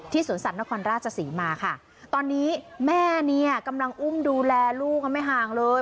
สวนสัตว์นครราชศรีมาค่ะตอนนี้แม่เนี่ยกำลังอุ้มดูแลลูกกันไม่ห่างเลย